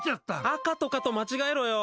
赤とかと間違えろよ！